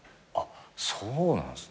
そうなんすね。